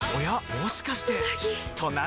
もしかしてうなぎ！